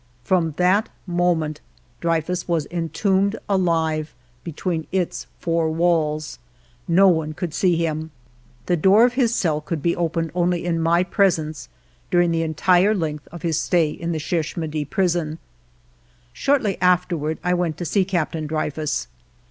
From that moment Dreyfus was entombed alive be tween its four walls, — no one could see him. The door of his cell could be opened only in my presence during the entire length of his stay in the Cherche Midi Prison. Shortly afterward I went to see Captain Dreyfus.